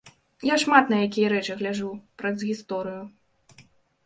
Я шмат на якія рэчы гляджу праз гісторыю.